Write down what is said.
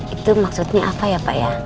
itu maksudnya apa ya pak ya